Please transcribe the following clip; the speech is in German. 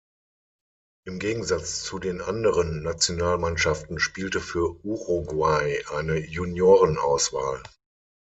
Im Gegensatz zu den anderen Nationalmannschaften, spielte für Uruguay eine Juniorenauswahl.